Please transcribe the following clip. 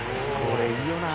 「これいいよな」